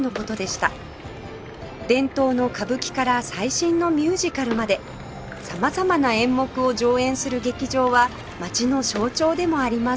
伝統の歌舞伎から最新のミュージカルまで様々な演目を上演する劇場は街の象徴でもあります